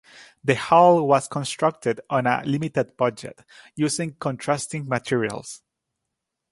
The hall was constructed on a limited budget, using contrasting materials.